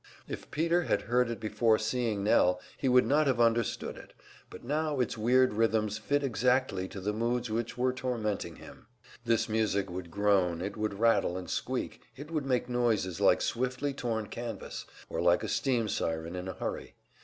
If Peter had heard it before seeing Nell, he would not have understood it, but now its weird rhythms fitted exactly to the moods which were tormenting him. This music would groan, it would rattle and squeak; it would make noises like swiftly torn canvas, or like a steam siren in a hurry.